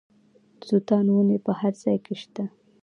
د توتانو ونې په هر ځای کې شته.